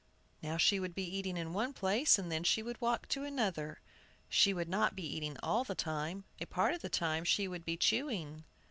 Now she would be eating in one place, and then she would walk to another. She would not be eating all the time, a part of the time she would be chewing."